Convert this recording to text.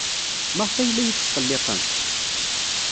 Maɣef ay la iyi-tesqelliqemt?